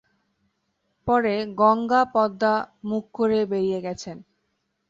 পরে গঙ্গা পদ্মা-মুখ করে বেরিয়ে গেছেন।